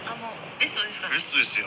「ベストですよ